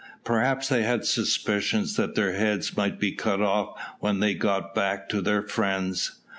Perhaps they had suspicions that their heads might be cut off when they got back to their friends.